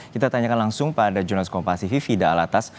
kita tanyakan langsung pada jurnalist kompasifi vida alatas